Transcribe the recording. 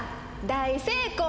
大成功！